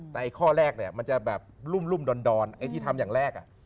แต่ข้อแรกมันจะรุ่มดอนที่ทำอย่างแรก